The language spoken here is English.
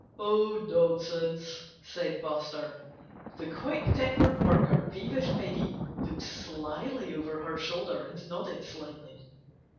"Oh, nonsense!" said Buster. The quick tempered worker, Peevish Peggy, looked slyly over her shoulder and nodded slightly.